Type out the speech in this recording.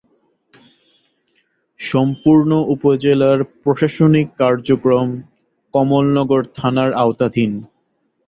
সম্পূর্ণ উপজেলার প্রশাসনিক কার্যক্রম কমলনগর থানার আওতাধীন।